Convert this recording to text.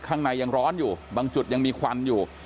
ข้างในยังร้อนอยู่บางจุดยังมีควันอยู่